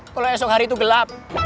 kalo esok hari tuh gelap